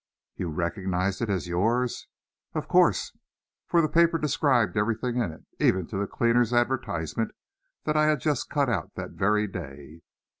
"You recognized it as yours?" "Of course; for the paper described everything in it even to the cleaner's advertisement that I'd just cut out that very day."